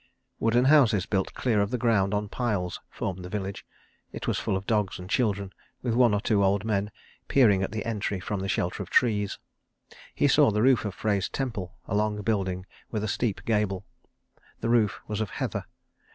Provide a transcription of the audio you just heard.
Wooden houses built clear of the ground on piles formed the village. It was full of dogs and children, with one or two old men peering at the entry from the shelter of trees. He saw the roof of Frey's temple, a long building with a steep gable. The roof was of heather.